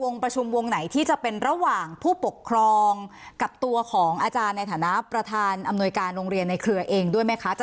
ประชุมวงไหนที่จะเป็นระหว่างผู้ปกครองกับตัวของอาจารย์ในฐานะประธานอำนวยการโรงเรียนในเครือเองด้วยไหมคะ